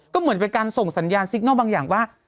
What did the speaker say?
ก็เหมือนเป็นการส่งสัญญาณซิกนอลบางอย่างว่า